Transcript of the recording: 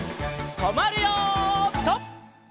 とまるよピタ！